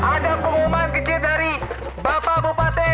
ada pengumuman kejit dari bapak bupati